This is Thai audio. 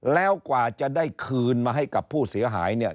แล้วกว่าจะได้คืนมาให้กับผู้เสียหายเนี่ย